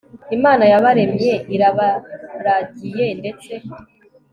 imana yabaremye irabaragiye ndetse